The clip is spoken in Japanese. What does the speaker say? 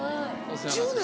１０年？